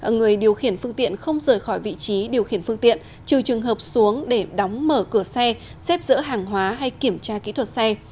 người điều khiển phương tiện không rời khỏi vị trí điều khiển phương tiện trừ trường hợp xuống để đóng mở cửa xe xếp dỡ hàng hóa hay kiểm tra kỹ thuật xe